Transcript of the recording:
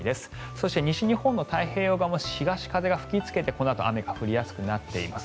そして西日本の太平洋側も東風が吹きつけて、このあと雨が降りやすくなっています。